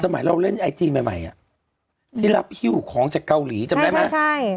สมัยเราเล่นไอจีนใหม่ที่รับฮิ้วของจากเกาหลีจำได้ไหม